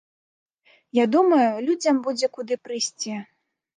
Я думаю, людзям будзе куды прыйсці.